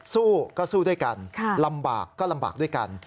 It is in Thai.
สู้ก็สู้ด้วยกันลำบากก็ลำบากด้วยกัน